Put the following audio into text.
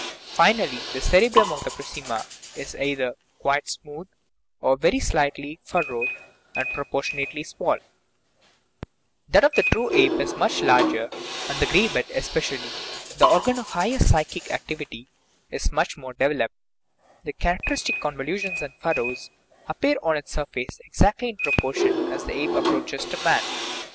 Finally, the cerebrum of the prosimia is either quite smooth or very slightly fur rowed, and proportionately small; that of the true ape is much larger, and the gray bed especially, the or gan of higher psychic activity, is much more developed ; the characteristic convolutions and furrows appear on its surface exactly in proportion as the ape approaches to man.